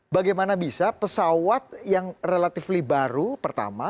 bagaimana bisa pesawat yang relatively baru pertama